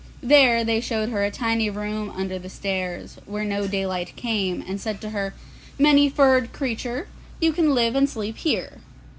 There they showed her a tiny room under the stairs, where no daylight came, and said to her, 'Many furred Creature, you can live and sleep here.